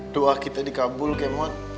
doa kita dikabul kemot